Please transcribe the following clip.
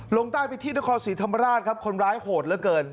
ลงใต้ไปที่นครศรีธรรมราชครับคนร้ายโหดเหลือเกิน